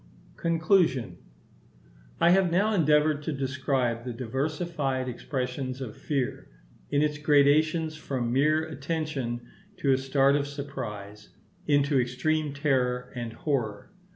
Conclusion.—I have now endeavoured to describe the diversified expressions of fear, in its gradations from mere attention to a start of surprise, into extreme terror and horror.